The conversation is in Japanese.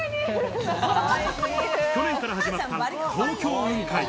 去年から始まった東京雲海。